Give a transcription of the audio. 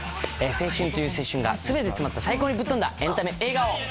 青春という青春が全て詰まった最高にぶっとんだエンタメ映画を。